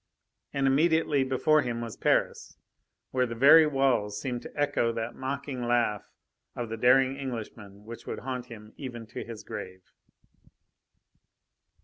And immediately before him was Paris, where the very walls seemed to echo that mocking laugh of the daring Englishman which would haunt him even to his grave.